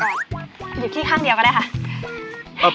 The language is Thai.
เอ่อหยุดขี้ข้างเดียวก็ได้ค่ะ